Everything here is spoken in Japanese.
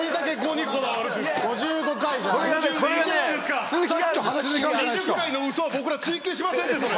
２０回のウソは僕ら追及しませんってそれ。